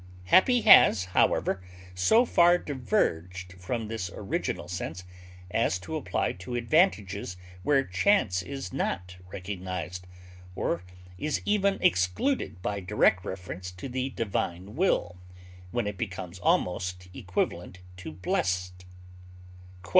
Happy has, however, so far diverged from this original sense as to apply to advantages where chance is not recognized, or is even excluded by direct reference to the divine will, when it becomes almost equivalent to blessed.